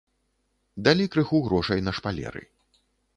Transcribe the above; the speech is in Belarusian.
Далі крыху грошай на шпалеры.